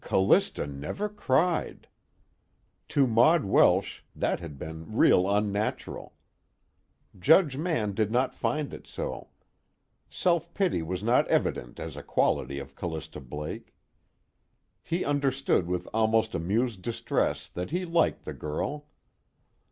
"Callista never cried." To Maud Welsh, that had been "real unnatural." Judge Mann did not find it so. Self pity was not evident as a quality of Callista Blake. He understood with almost amused distress that he liked the girl.